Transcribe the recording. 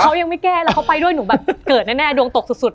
เขายังไม่แก้แล้วเขาไปด้วยหนูแบบเกิดแน่ดวงตกสุด